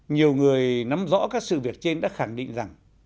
nhiều người nắm rõ các sự việc trên đã khẳng định rằng